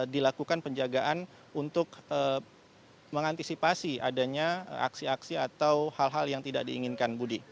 dilakukan penjagaan untuk mengantisipasi adanya aksi aksi atau hal hal yang tidak diinginkan budi